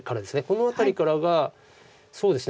この辺りからがそうですね